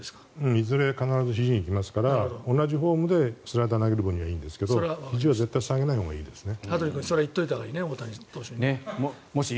いずれ必ずひじに来ますから同じフォームで投げる分にはいいんですがひじは下げないほうがいいね。